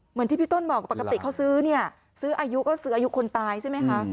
เหมือนที่พี่ต้นบอกว่าปกติเขาซื้อเนี่ยซื้ออายุก็ซื้ออายุคนตายใช่ไหมคะ